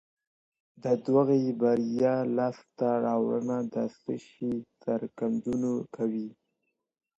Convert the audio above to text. د دغو برياوو لاسته راوړنه د څه شي څرګندونه کوي؟